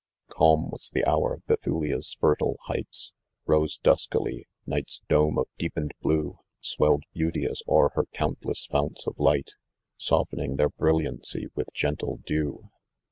CAtM was the hour ; Bethulia's fertile heights Bare duskily ; night's dome of deepened blue Swelled beauteous o ? er her countless founts of UgM. Softening tbeir brilliancy with gentle dew.